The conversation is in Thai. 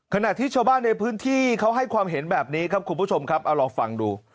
ขณะที่ชาวบ้านในพื้นที่เขาให้ความเห็นแบบนี้ครับคุณผู้ชมครับเอาลองฟังดู